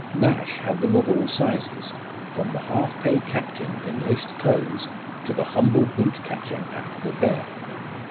Nash had them of all sizes, from the half pay captain in laced clothes, to the humble boot catcher at the Bear.